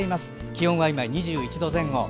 気温は今２１度前後。